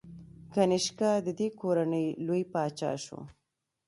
کنیشکا د دې کورنۍ لوی پاچا شو